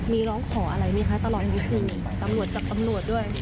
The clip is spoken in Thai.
มีร้องขออะไรไหมคะตลอดอันนี้คือตำรวจจากตำรวจด้วย